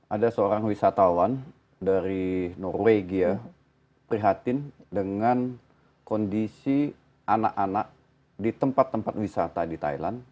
ada seorang wisatawan dari norwegia prihatin dengan kondisi anak anak di tempat tempat wisata di thailand